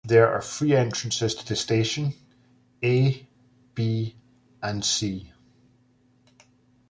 There are three entrances to the station: "A", "B", and "C".